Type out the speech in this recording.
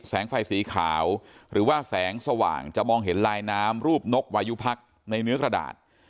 ไฟสีขาวหรือว่าแสงสว่างจะมองเห็นลายน้ำรูปนกวายุพักในเนื้อกระดาษ